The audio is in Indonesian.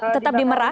tetap di merah